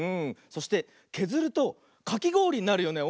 そしてけずるとかきごおりになるよね。